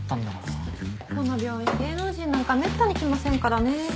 この病院芸能人なんかめったに来ませんからね。